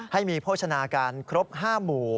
ให้มีโภชนาการครบ๕หมู่